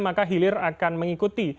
maka hilir akan mengikuti